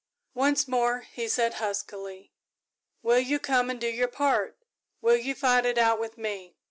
"Once more," he said huskily, "will you come and do your part? Will you fight it out with me?"